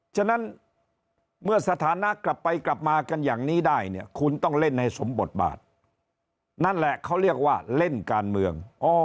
ฉะนั้นเมื่อสถานะกลับไปกลับมากันอย่างนี้ได้เนี่ยคุณต้องเล่นให้สมบทบาทนั่นแหละเขาเรียกว่าเล่นการเมือง